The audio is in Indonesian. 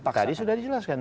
menurut tadi sudah dijelaskan